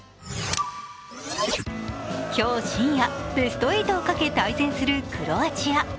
今日深夜、ベスト８をかけ対戦するクロアチア。